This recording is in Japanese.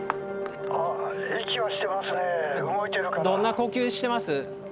どんな呼吸してます？